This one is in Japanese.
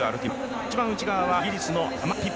一番内側はイギリスのアマ・ピピ。